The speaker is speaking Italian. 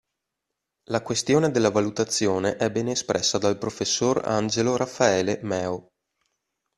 La questione della valutazione è bene espressa dal Professor Angelo Raffaele Meo.